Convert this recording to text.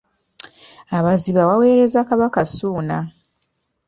Abaziba baaweereza Kabaka Ssuuna.